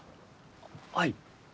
はい。